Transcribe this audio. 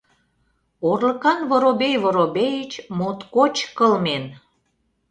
Орлыкан Воробей Воробеич моткоч кылмен!